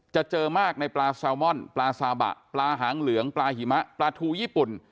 เจอมากในปลาแซลมอนปลาซาบะปลาหางเหลืองปลาหิมะปลาทูญี่ปุ่น